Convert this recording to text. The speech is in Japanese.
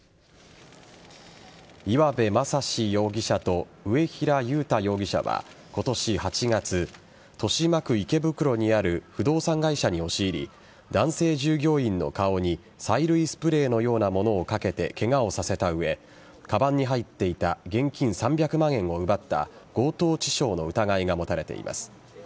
岩部真心容疑者と上平悠太容疑者は今年８月豊島区池袋にある不動産会社に押し入り男性従業員の顔に催涙スプレーのようなものを掛けてケガをさせた上かばんに入っていた現金３００万円を奪った強盗致傷の疑いが持たれています。